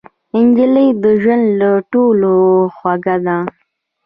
نجلۍ د ژوند له ټولو خوږه ده.